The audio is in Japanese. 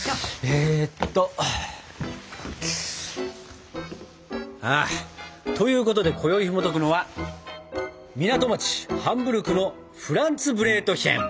えっと。ということでこよいひもとくのは「港町ハンブルクのフランツブレートヒェン」。